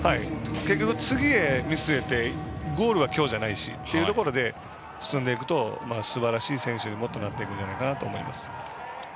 結局、次を見据えてゴールは今日じゃないしというところで進んでいくと、すばらしい選手にもっとなると思います。